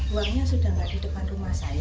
uangnya sudah tidak di depan rumah saya